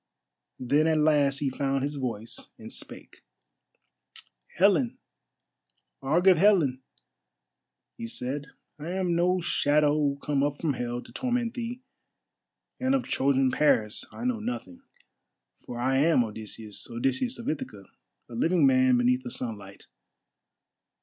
Then at last he found his voice and spake. "Helen! Argive Helen!" he said, "I am no shadow come up from Hell to torment thee, and of Trojan Paris I know nothing. For I am Odysseus, Odysseus of Ithaca, a living man beneath the sunlight.